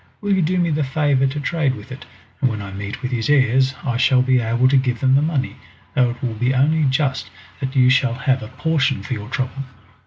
Will you do me the favour to trade with it, and when I meet with his heirs I shall be able to give them the money, though it will be only just that you shall have a portion for your trouble."